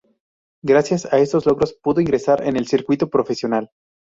Gracias a estos logros pudo ingresar en el circuito profesional.